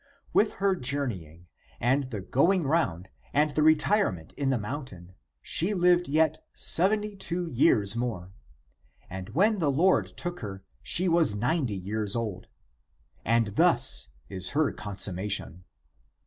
With her journeying, and the going round, and the retirement in the mountain she lived yet seventy two years more. And when the Lord took her, she was ninety years old. And thus is her consummation.